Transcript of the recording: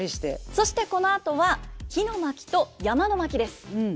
そしてこのあとは「火の巻」と「山の巻」です。